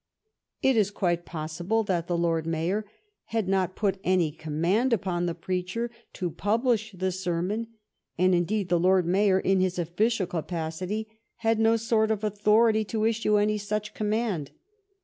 It is quite possible that the Lord Mayor had not put any command upon the preacher to pub lish the sermon, and, indeed, the Lord Mayor, in his official capacity, had no sort of authority to issue any such command.